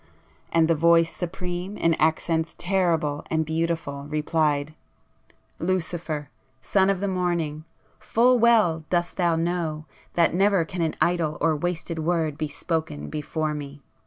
And the Voice Supreme in accents terrible and beautiful replied; 'Lucifer, Son of the Morning, full well dost thou know that never can an idle or wasted word be spoken before Me.